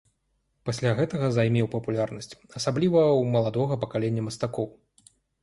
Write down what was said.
Пасля гэтага займеў папулярнасць, асабліва ў маладога пакалення мастакоў.